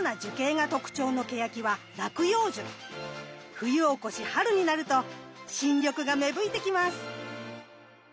冬を越し春になると新緑が芽吹いてきます。